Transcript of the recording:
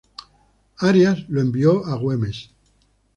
Arias lo envió a Güemes.